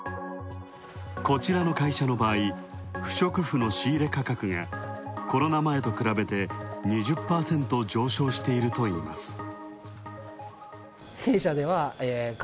こちらの会社の場合、不織布の仕入れ価格がコロナ前と比べて、２０％上昇しているといいます。